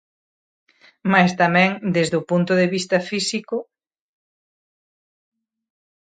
Mais tamén desde o punto de vista físico.